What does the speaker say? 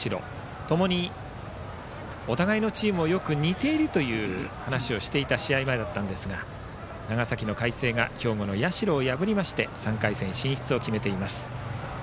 ともにお互いのチームはよく似ているという話をしていた試合前でしたが長崎の海星が兵庫の社を破りまして３回戦進出を決めています。